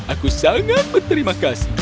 aku sangat berterima kasih